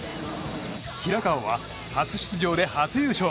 平川は初出場で初優勝。